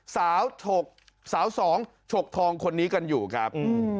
ฉกสาวสองฉกทองคนนี้กันอยู่ครับ